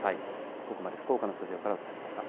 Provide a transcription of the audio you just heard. ここまで福岡のスタジオからお伝えしました。